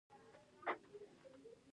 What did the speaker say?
زه ښه اخلاق پېژنم.